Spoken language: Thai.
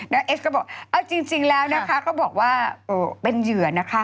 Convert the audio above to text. แล้วเอสก็บอกเอาจริงแล้วนะคะก็บอกว่าเป็นเหยื่อนะคะ